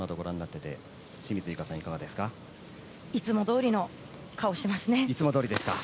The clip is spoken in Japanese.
いつもどおりの顔をしていますね。